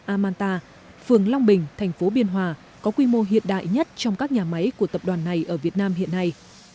amanta phường long bình thành phố biên hòa có quy mô hiện đại nhất trong các nhà máy của tập đoàn này ở việt nam hiện nay